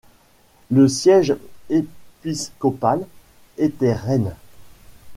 Le siège épiscopal était Rennes.